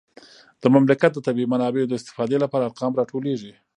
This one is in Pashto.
د مملکت د طبیعي منابعو د استفادې لپاره ارقام راټولیږي